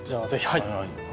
はい。